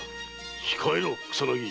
控えろ草薙！